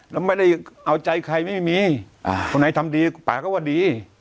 แล้วไม่ได้เอาใจใครไม่มีคนไหนทำดีป่าก็ว่าดี